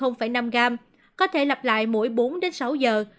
năm gram có thể lặp lại mỗi bốn sáu giờ